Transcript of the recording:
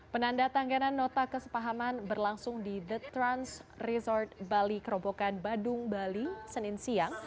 penanda tangganan nota kesepahaman berlangsung di the trans resort bali kerobokan badung bali senin siang